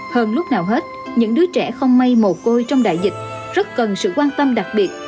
hơn lúc nào hết những đứa trẻ không may mồ côi trong đại dịch rất cần sự quan tâm đặc biệt